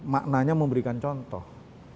maknanya memberikan contoh